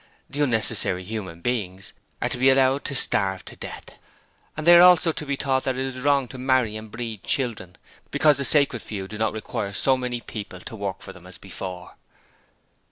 The unnecessary human beings are to be allowed to starve to death! And they are also to be taught that it is wrong to marry and breed children, because the Sacred Few do not require so many people to work for them as before!'